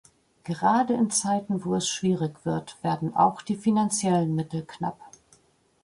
Gerade in Zeiten, wo es schwierig wird, werden auch die finanziellen Mittel knapp.